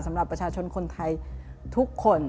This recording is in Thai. สำหรับประชาชนคนไทยทุกคน